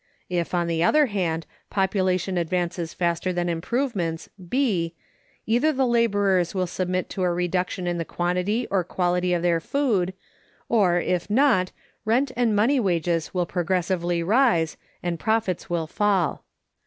If, on the other hand, population advances faster than improvements (B) either the laborers will submit to a reduction in the quantity or quality of their food, or, if not, rent and money wages will progressively rise, and profits will fall.